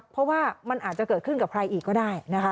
เพราะว่ามันอาจจะเกิดขึ้นกับใครอีกก็ได้นะคะ